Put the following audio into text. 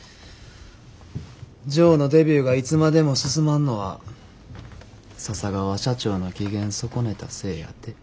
ジョーのデビューがいつまでも進まんのは笹川社長の機嫌損ねたせいやて。